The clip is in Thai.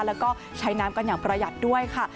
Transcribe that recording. แล้วก็ใช้น้ำกันอย่างประหยัดด้วยค่ะ